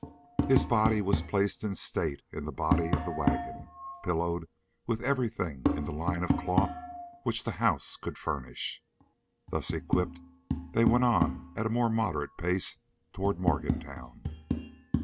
His body was placed in state in the body of the wagon, pillowed with everything in the line of cloth which the house could furnish. Thus equipped they went on at a more moderate pace toward Morgantown.